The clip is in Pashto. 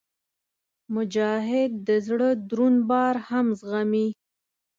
مجاهد د زړه دروند بار هم زغمي.